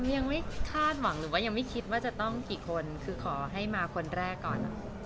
ยังไม่คาดหวังหรือว่ายังไม่คิดว่าจะต้องกี่คนคือขอให้มาคนแรกก่อน